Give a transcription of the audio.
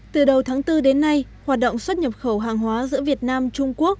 từ đầu tháng bốn đến nay hoạt động xuất nhập khẩu hàng hóa giữa việt nam trung quốc